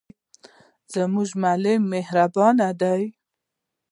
زموږ معلم مهربان دی.